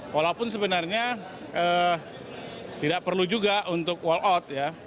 walaupun sebenarnya tidak perlu juga untuk wall out ya